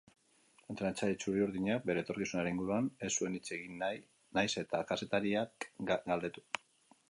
Entrenatzaile txuri-urdinak bere etorkizunaren inguruan ez zuen hitz egin nahiz eta kazetarik galdetu.